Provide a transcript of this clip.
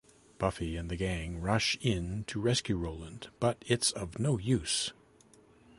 Buffy and the gang rush in to rescue Roland but it's of no use.